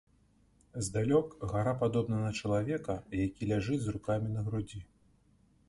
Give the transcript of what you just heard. Здалёк гара падобна на чалавека, які ляжыць з рукамі на грудзі.